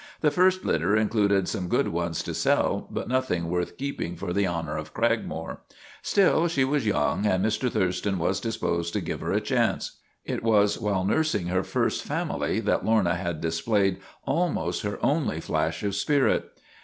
The first litter in cluded some good ones to sell, but nothing worth keeping for the honor of Cragmore. Still, she was young and Mr. Thurston was disposed to give her a chance. It was while nursing her first family that Lorna had displayed almost her only flash of spirit.